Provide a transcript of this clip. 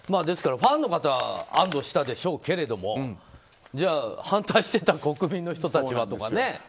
ですから、ファンの方は安堵したでしょうけどじゃあ反対していた国民の人たちはとかね。